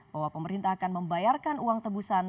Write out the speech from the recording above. bahwa pemerintah akan membayarkan uang tebusan